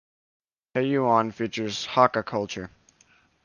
Heyuan features Hakka Culture.